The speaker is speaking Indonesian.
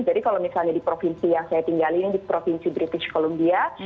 jadi kalau misalnya di provinsi yang saya tinggalin di provinsi british columbia